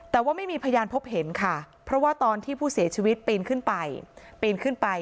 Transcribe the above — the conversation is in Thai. แต่ว่าไม่มีพยานพบเห็นค่ะเพราะว่าตอนที่ผู้เสียชีวิตปีนขึ้นไปปีนขึ้นไป